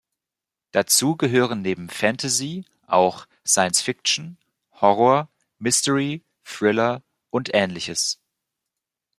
Dazu gehören neben Fantasy auch Science-Fiction, Horror, Mystery, Thriller und ähnliches.